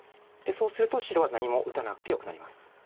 そうすると白は何も打たなくてよくなります。